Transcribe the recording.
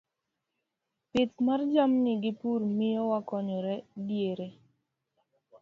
Pith mar jamni gi pur miyo wakonyore diere